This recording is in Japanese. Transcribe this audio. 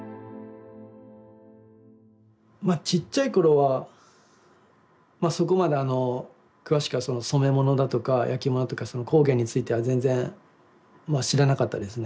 まちっちゃい頃はそこまで詳しくはその染め物だとか焼き物だとかその工芸については全然まあ知らなかったですね。